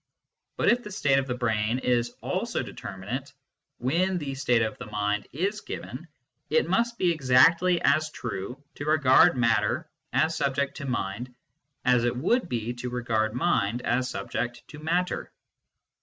But if the state of the brain is also determinate when the state of the mind is given, it must be exactly as true to regard matter as subject to mind as it would be to regard mind as subject to matter.